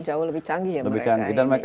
jauh lebih canggih ya mereka